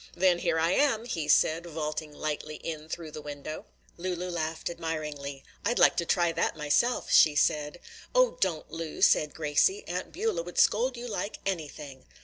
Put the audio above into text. "Then here I am!" he said, vaulting lightly in through the window. Lulu laughed admiringly. "I'd like to try that myself," she said. "Oh, don't, Lu!" said Gracie, "Aunt Beulah would scold you like anything."